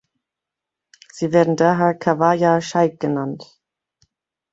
Sie werden daher „Khawaja Sheikh“ genannt.